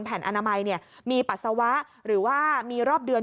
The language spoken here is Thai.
แผ่นอนามัยเนี่ยมีปัสสาวะหรือว่ามีรอบเดือน